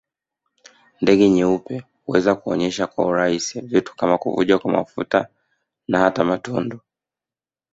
Ndege nyeupe huweza kuonesha kwa urahisi vitu kama kuvuja kwa mafuta na hata matundu